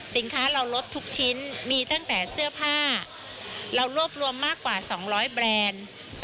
สินค้าเราลดทุกชิ้นมีตั้งแต่เสื้อผ้าเรารวบรวมมากกว่า๒๐๐แบรนด์